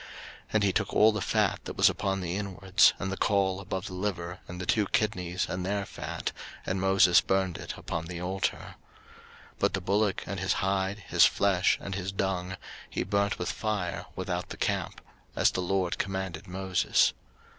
03:008:016 And he took all the fat that was upon the inwards, and the caul above the liver, and the two kidneys, and their fat, and Moses burned it upon the altar. 03:008:017 But the bullock, and his hide, his flesh, and his dung, he burnt with fire without the camp; as the LORD commanded Moses.